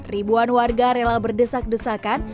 ribuan warga rela berdesak desakan